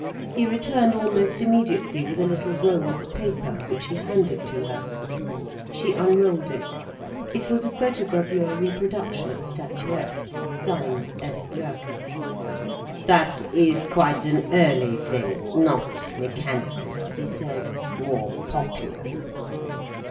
He returned almost immediately with a little roll of paper, which he handed to her. She unrolled it. It was a photogravure reproduction of a statuette, signed F. Loerke. "That is quite an early thing—not mechanical," he said, "more popular."